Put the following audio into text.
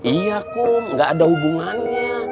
iya kok gak ada hubungannya